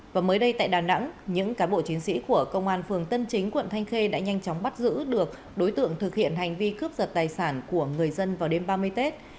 và mới đây tại đà nẵng những cán bộ chiến sĩ của công an phường tân chính quận thanh khê đã nhanh chóng bắt giữ được đối tượng thực hiện hành vi cướp giật tài sản của người dân vào đêm ba mươi tết